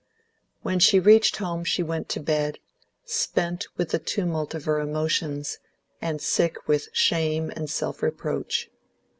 When she reached home she went to bed, spent with the tumult of her emotions and sick with shame and self reproach.